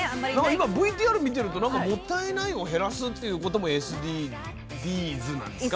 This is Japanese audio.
今ＶＴＲ見てるともったいないを減らすっていうこともＳＤＧｓなんですか。